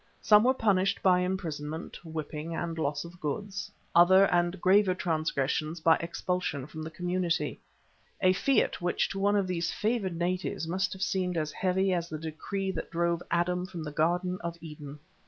Some were punished by imprisonment, whipping, and loss of goods, other and graver transgressions by expulsion from the community, a fiat which to one of these favoured natives must have seemed as heavy as the decree that drove Adam from the Garden of Eden.